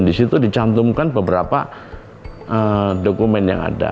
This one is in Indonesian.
di situ dicantumkan beberapa dokumen yang ada